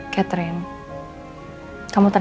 saya belum bisa bikin jaya